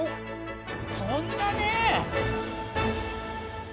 飛んだね！